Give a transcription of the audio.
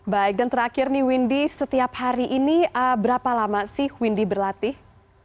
baik dan terakhir nih windy setiap hari ini berapa lama sih windy berlatih